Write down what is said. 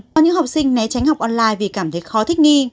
có những học sinh né tránh học online vì cảm thấy khó thích nghi